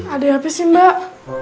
ada hp sih mbak